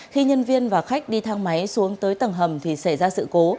khi nhân viên và khách đi thang máy xuống tới tầng hầm thì xảy ra sự cố